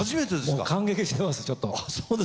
もう感激してます